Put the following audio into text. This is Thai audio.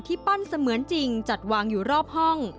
ปั้นเสมือนจริงจัดวางอยู่รอบห้อง